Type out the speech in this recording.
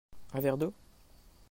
Un verre d'eau ?